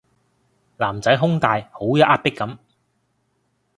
男仔胸大好有壓迫感